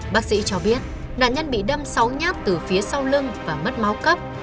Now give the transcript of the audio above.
bác sĩ cho biết nạn nhân bị đâm sáu nhát từ phía sau lưng và mất máu cấp